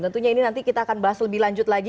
tentunya ini nanti kita akan bahas lebih lanjut lagi